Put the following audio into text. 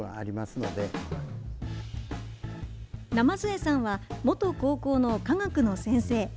鯰江さんは、元高校の化学の先生。